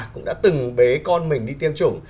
cũng đã từng bế con mình đi tiêm chủng